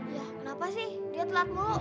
ya kenapa sih dia telat mau